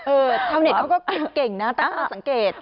ชาวเน็ตเขาก็เก่งนะตั้งข้อสังเกต